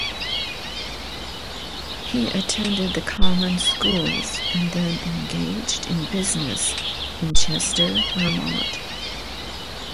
He attended the common schools and then engaged in business in Chester, Vermont.